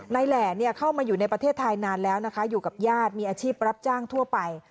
แหล่เข้ามาอยู่ในประเทศไทยนานแล้วนะคะอยู่กับญาติมีอาชีพรับจ้างทั่วไป